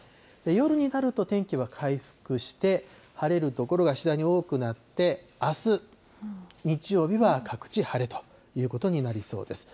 夜になると天気は回復して、晴れる所が次第に多くなって、あす日曜日は各地晴れということになりそうです。